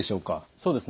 そうですね。